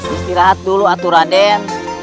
istirahat dulu atura den